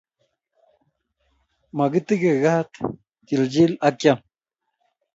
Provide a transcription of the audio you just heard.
Makitike kaat chichil akeam